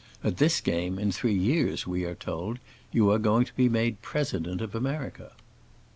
At this game, in three years, we are told, you are going to be made president of America."